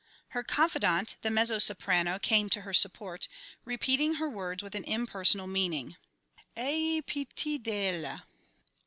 _" Her confidante, the mezzo soprano, came to her support, repeating her words with an impersonal meaning, "_Ayez pitié d'elle.